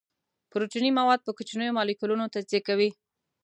پروتیني مواد په کوچنیو مالیکولونو تجزیه کوي.